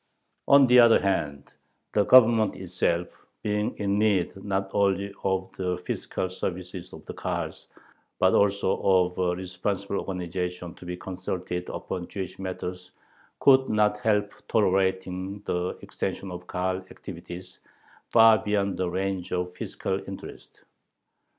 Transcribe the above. On the other hand, the Government itself, being in need not only of the fiscal services of the Kahals, but also of a responsible organization to be consulted upon Jewish matters, could not help tolerating the extension of Kahal activities far beyond the range of fiscal interests.